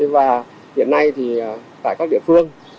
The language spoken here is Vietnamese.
và hiện nay thì tại các địa phương